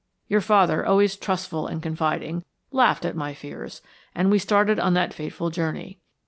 Your father, always trustful and confiding, laughed at my fears, and we started on that fateful journey.